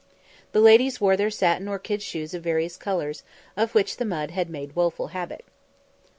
The ladies wore their satin or kid shoes of various colours, of which the mud had made woeful havoc.